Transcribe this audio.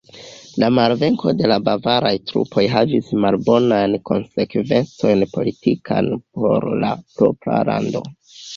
La malvenko de la bavaraj trupoj havis malbonajn konsekvencojn politikajn por la propra lando.